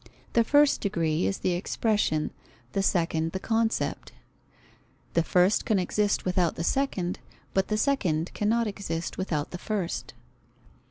The first degree is the expression, the second the concept: the first can exist without the second, but the second cannot exist without the first.